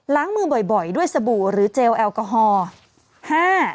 ล้างมือบ่อยด้วยสบู่หรือเจลแอลกอฮอล์